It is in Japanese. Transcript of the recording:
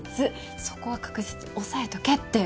そこは確実に押さえとけって。